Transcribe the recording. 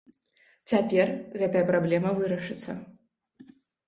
Цяпер гэтая праблема вырашыцца.